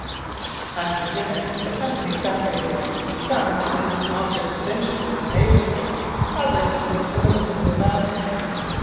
After dinner the company separated; some to visit objects of interest in the neighbourhood, others to the saloon and the balcony.